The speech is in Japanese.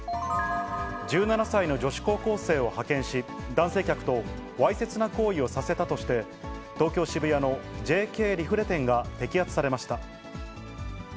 １７歳の女子高校生を派遣し、男性客とわいせつな行為をさせたとして、東京・渋谷のＪＫリフレ店が摘発されました。